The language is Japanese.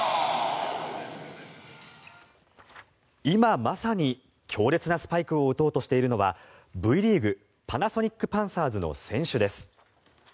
今まさに強烈なスパイクを打とうとしているのはＶリーグパナソニックパンサーズの選手です。